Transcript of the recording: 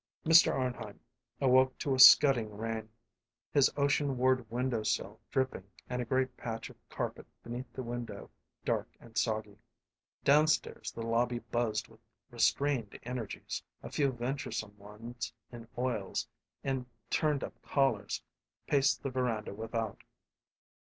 Mr. Arnheim awoke to a scudding rain; his ocean ward window sill dripping and a great patch of carpet beneath the window dark and soggy. Downstairs the lobby buzzed with restrained energies; a few venturesome ones in oils and turned up collars paced the veranda without.